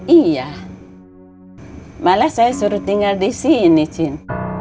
iya malah saya suruh tinggal disini cin